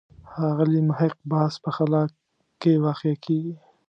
ښاغلي محق بحث په خلا کې واقع کېږي.